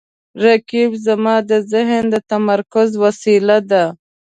رقیب زما د ذهن د تمرکز وسیله ده